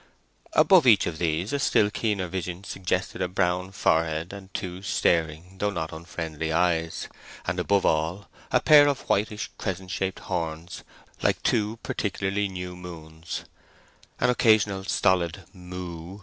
Above each of these a still keener vision suggested a brown forehead and two staring though not unfriendly eyes, and above all a pair of whitish crescent shaped horns like two particularly new moons, an occasional stolid "moo!"